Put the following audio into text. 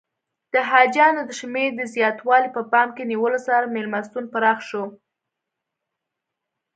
د حاجیانو د شمېر د زیاتوالي په پام کې نیولو سره میلمستون پراخ شو.